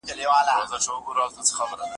وروځو